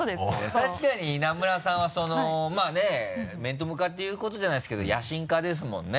確かに稲村さんは。まぁね面と向かって言うことじゃないですけど野心家ですもんね。